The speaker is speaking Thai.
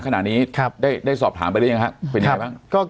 ขนาดนี้ได้สอบถามไปเรียกแล้วเป็นไงบ้าง